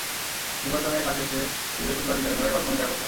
নির্বাচনের কাজ শেষে তিনি বৃহস্পতিবার বিকেলে মেয়রের বাসভবনে দেখা করতে যান।